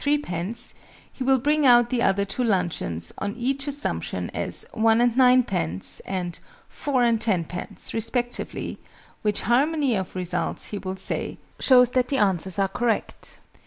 _, he will bring out the other two luncheons, on each assumption, as "one and nine pence" and "four and ten pence" respectively, which harmony of results, he will say, "shows that the answers are correct."